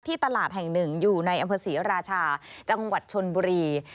ตลาดแห่งหนึ่งอยู่ในอำเภอศรีราชาจังหวัดชนบุรี